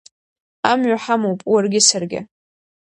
Амҩа ҳамоуп уаргьы саргьы…